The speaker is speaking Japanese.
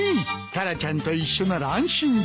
タラちゃんと一緒なら安心だ。